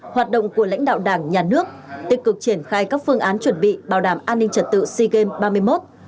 hoạt động của lãnh đạo đảng nhà nước tích cực triển khai các phương án chuẩn bị bảo đảm an ninh trật tự sea games ba mươi một